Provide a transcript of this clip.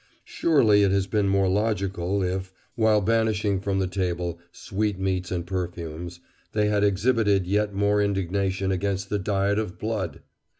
Surely it had been more logical if, while banishing from the table sweet meats and perfumes, they had exhibited yet more indignation against the diet of blood!